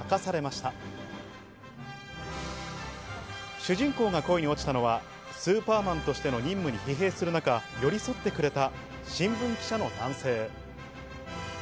主人公が恋に落ちたのはスーパーマンとしての任務に疲弊する中、寄り添ってくれた新聞記者の男性。